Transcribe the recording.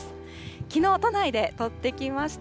きのう都内で撮ってきました。